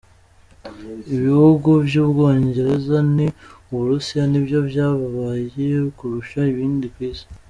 Ibihugu vy' Ubwonegerza n' Uburusiya nivyo vyababaye kurusha ibindi kw'isi.